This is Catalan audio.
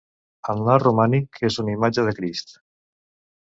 En l'art romànic és una imatge de Crist.